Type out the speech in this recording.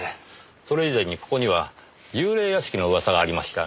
それ以前にここには幽霊屋敷の噂がありましたね